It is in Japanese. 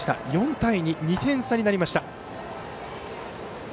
４対２、２点差になりました。